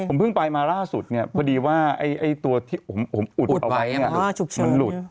ผมเพิ่งไปมาล่าสุดเนี่ยพอดีว่าตัวที่ผมอุดเอาไว้มันหลุด